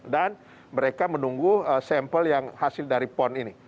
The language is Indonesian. mereka menunggu sampel yang hasil dari pon ini